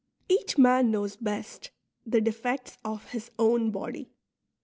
Each man knows best the defects of his own body.